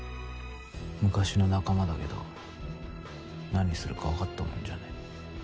昔の仲間だけど何するか分かったもんじゃねぇ。